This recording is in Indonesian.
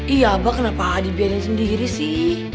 iya abah kenapa adi biarin sendiri sih